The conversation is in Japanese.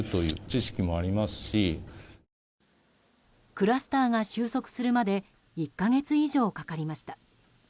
クラスターが収束するまで１か月以上かかりました。